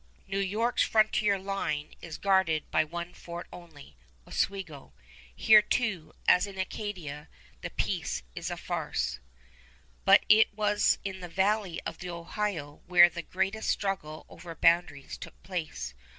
New York's frontier line is guarded by one fort only, Oswego. Here too, as in Acadia, the peace is a farce. [Illustration: FORT PRESENTATION] But it was in the valley of the Ohio where the greatest struggle over boundaries took place.